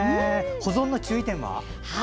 保存の注意点は？